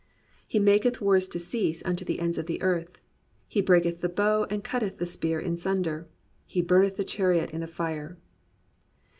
He maketh wars to cease unto the end of the earth: He breaketh the bow, and cutteth the spear in sunder: He bumeth the chariot in the fire.